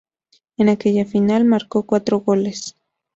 En aquella final, marcó cuatro goles.